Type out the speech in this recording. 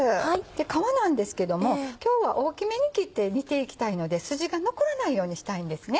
皮なんですけども大きめに切って煮ていきたいので筋が残らないようにしたいんですね。